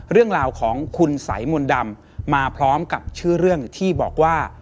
เรื่องราวของคุณสายมนต์ดำมาพร้อมกับชื่อเรื่องที่บอกว่า